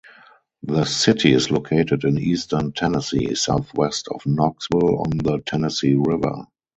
The city is located in eastern Tennessee, southwest of Knoxville, on the Tennessee River.